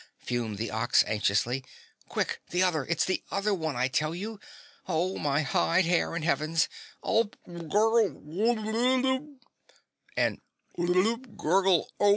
fumed the Ox anxiously. "Quick, the other it's the other one, I tell you! Oh, my hide, hair, and Heavens! Ulp! Gurgle Ooooop!" And "Oooop gurgle ULP!"